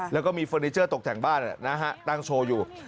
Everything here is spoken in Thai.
แล้วก็มีเฟอร์นิเจอร์ตกแต่งบ้านตั้งโชว์อยู่